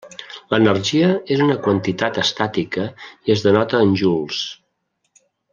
L'energia és una quantitat estàtica i es denota en Joules.